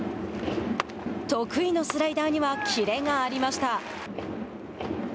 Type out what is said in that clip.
得意のスライダーにはキレがありました。